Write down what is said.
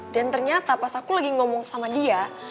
dan ternyata pas aku lagi ngomong sama dia